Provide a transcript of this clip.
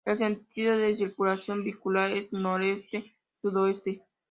El sentido de circulación vehicular es noreste-sudoeste.